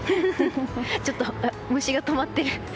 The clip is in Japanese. ちょっと、虫が止まってる。